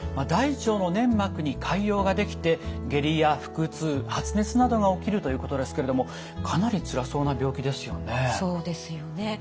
大腸の粘膜に潰瘍ができて下痢や腹痛発熱などが起きるということですけれどもかなりつらそうな病気ですよね。